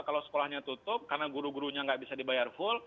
kalau sekolahnya tutup karena guru gurunya nggak bisa dibayar full